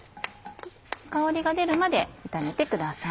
香りが出るまで炒めてください。